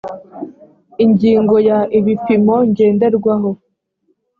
ingingo ya ibipimo ngenderwaho